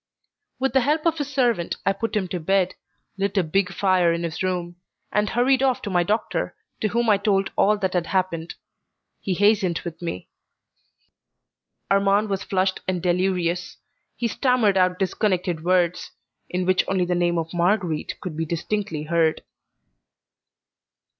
With the help of his servant I put him to bed, lit a big fire in his room, and hurried off to my doctor, to whom I told all that had happened. He hastened with me. Armand was flushed and delirious; he stammered out disconnected words, in which only the name of Marguerite could be distinctly heard.